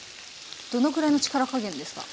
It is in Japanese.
どのぐらいの力加減ですか？